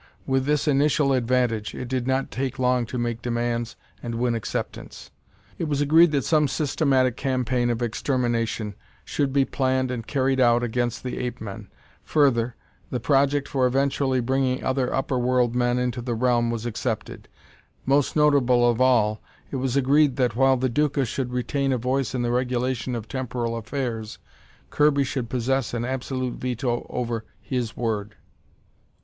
With this initial advantage, it did not take long to make demands and win acceptance. It was agreed that some systematic campaign of extermination should be planned and carried out against the ape men. Further, the project for eventually bringing other upper world men to the realm was accepted. Most notable of all, it was agreed that while the Duca should retain a voice in the regulation of temporal affairs, Kirby should possess an absolute veto over his word.